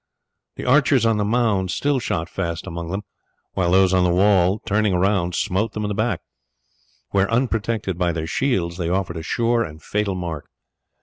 The archers on the mound still shot fast among them, while those on the wall, turning round, smote them in the back, where, unprotected by their shields, they offered a sure and fatal mark.